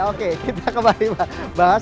oke kita kembali bahas